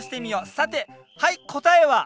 さてはい答えは？